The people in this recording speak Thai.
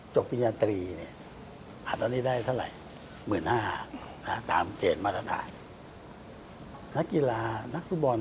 จกปิญญาตรีนี่ตอนนี้ได้เท่าไหร่๑๕๐๐๐บาทตามเกณฑ์มาตรฐาน